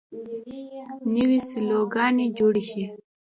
نوې سیلوګانې جوړې شي.